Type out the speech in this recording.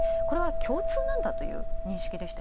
これは共通なんだという認識。